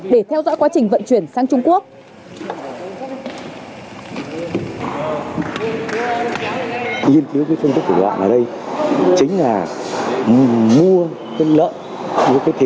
để theo dõi quá trình đánh giá